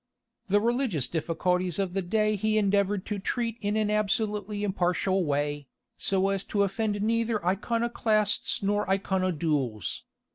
The religious difficulties of the day he endeavoured to treat in an absolutely impartial way, so as to offend neither Iconoclasts nor Iconodules.